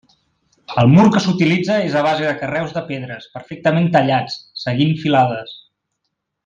El mur que s'utilitza és a base de carreus de pedres, perfectament tallats, seguint filades.